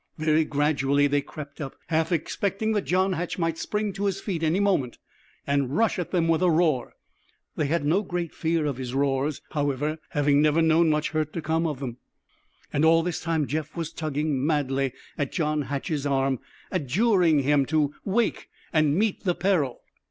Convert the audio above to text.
Very gradually they crept up, half expecting that John Hatch might spring to his feet any moment and rush at them with a roar. They had no great fear of his roars, however, having never known much hurt to come of them. And all the time Jeff was tugging madly at John Hatch's arm, adjuring him to wake and meet the peril.